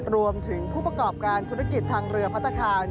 รวมถึงผู้ประกอบการธุรกิจทางเรือพัทธคาน